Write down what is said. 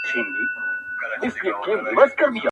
o یوه نره غېږه ورکړه پر تندي باندي یې ښګل کړه,